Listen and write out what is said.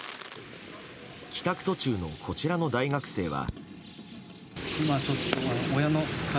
帰宅途中のこちらの大学生は。